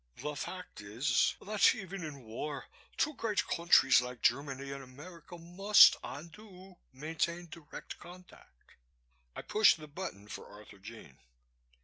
The fact is that even in war, two great countries like Germany and America must and do maintain direct contact." I pushed the button for Arthurjean.